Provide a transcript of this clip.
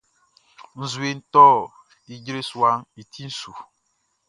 Nzueʼn tɔ ijre suaʼn i ti su.